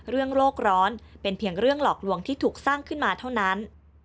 โรคร้อนเป็นเพียงเรื่องหลอกลวงที่ถูกสร้างขึ้นมาเท่านั้น